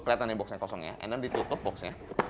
kelihatannya box nya kosong ya and then ditutup box nya